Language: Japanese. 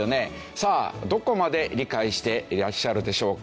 さあどこまで理解していらっしゃるでしょうか？